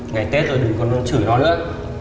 ngày tết rồi đừng còn luôn chửi nó nữa